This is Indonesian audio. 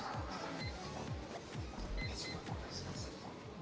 fitbit juga memiliki fitur penyimpanan lagu